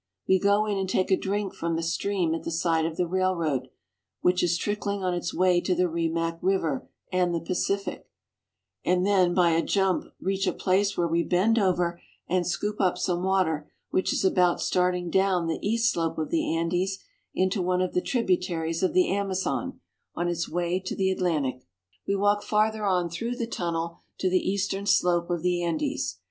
We go in and take a drink from the stream at the side of the railroad, which is trickling on its way to the Rimac river and the Pacific, and then by a jump reach a place where we bend over and scoop up some water which is about starting down the east slope of the Andes into one of the tribu taries of the Amazon, on its way to the Atlantic. We walk farther on through the tunnel to the eastern slope of the Andes.